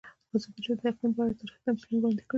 ازادي راډیو د اقلیم په اړه تاریخي تمثیلونه وړاندې کړي.